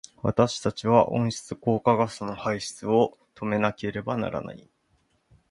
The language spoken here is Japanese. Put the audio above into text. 私たちは温室効果ガスの排出を止めなければならない。